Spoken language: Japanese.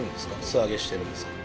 素揚げしてるんですか？